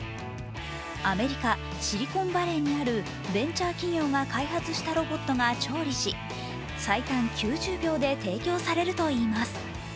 アメリカ、シリコンバレーにあるベンチャー企業が開発したロボットが調理し、最短９０秒で提供されるといいます。